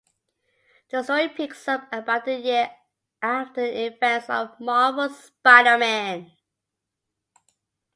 The story picks up about a year after the events of Marvel's Spider-Man.